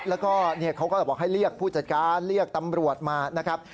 แล้วก็เขาก็บอกให้เรียกผู้จัดการเรียกตำรวจมานะครับ